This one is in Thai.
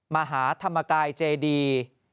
มหาธรรมกายเจดี